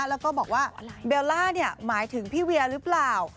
แล้วก็บอกว่าเบลล่าหมายถึงพี่เวียหรือเปล่า